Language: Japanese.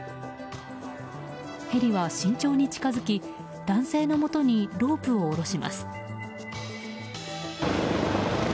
ヘリは慎重に近づき男性のもとにロープを下ろします。